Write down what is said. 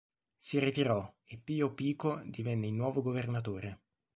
Si ritirò e Pío Pico divenne in nuovo governatore.